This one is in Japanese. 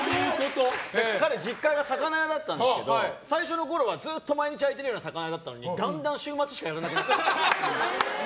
彼、実家が魚屋だったんですけど最初のころはずっと毎日、魚を焼いてるのがだんだん週末しかやらなくなって。